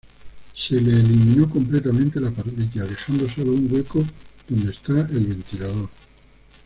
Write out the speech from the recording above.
Se le eliminó completamente la parrilla, dejando solo un hueco donde está el ventilador.